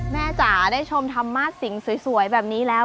จ๋าได้ชมธรรมาสสิงสวยแบบนี้แล้ว